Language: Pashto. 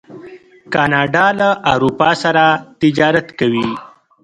کاناډا له اروپا سره تجارت کوي.